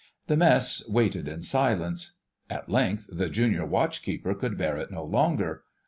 The mess waited in silence: at length the Junior Watch keeper could bear it no longer.